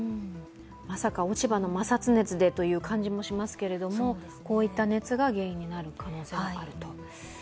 まさか落ち葉の摩擦熱でという感じもしますけれどもこういった熱が原因になる可能性があると。